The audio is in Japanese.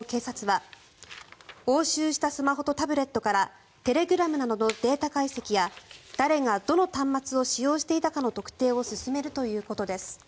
佐々木さんによると今後、警察は押収したスマホとタブレットからテレグラムなどのデータ解析や誰がどの端末を使用していたかなどの特定を進めるということです。